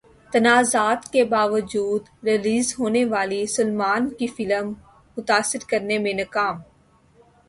تنازعات کے باوجود ریلیز ہونے والی سلمان کی فلم متاثر کرنے میں ناکام